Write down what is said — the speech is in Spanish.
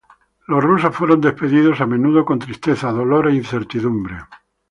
Los rusos fueron despedidos, a menudo con tristeza, dolor e incertidumbre.